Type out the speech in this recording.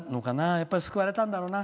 やっぱり救われたんだろうな。